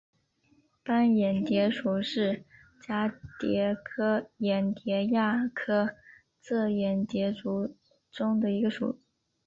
斑眼蝶属是蛱蝶科眼蝶亚科帻眼蝶族中的一个属。